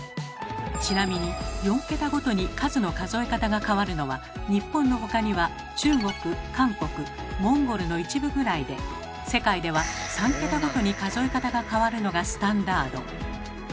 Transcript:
ちなみに４桁ごとに数の数え方が変わるのは日本の他には中国韓国モンゴルの一部ぐらいで世界では３桁ごとに数え方が変わるのがスタンダード。